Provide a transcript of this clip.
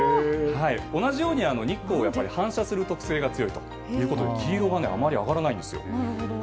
同じように日光を反射する特性が強いということで黄色があまり上がらないんですよ。